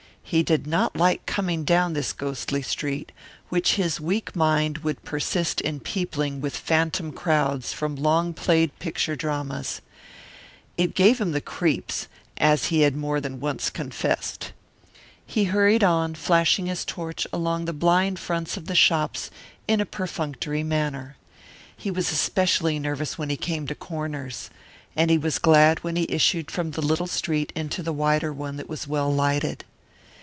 He did not like coming down this ghostly street, which his weak mind would persist in peopling with phantom crowds from long played picture dramas. It gave him the creeps, as he had more than once confessed. He hurried on, flashing his torch along the blind fronts of the shops in a perfunctory manner. He was especially nervous when he came to corners. And he was glad when he issued from the little street into the wider one that was well lighted.